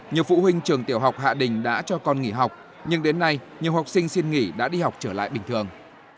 nhiều phụ huynh trường tiểu học hạ đình đã cho con nghỉ học nhưng đến nay nhiều học sinh xin nghỉ đã đi học trở lại bình thường